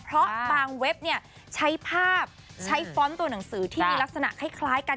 เพราะบางเว็บเนี่ยใช้ภาพใช้ฟ้อนต์ตัวหนังสือที่มีลักษณะคล้ายกัน